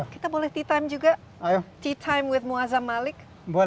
kita boleh tea time juga tea time with muazzam malik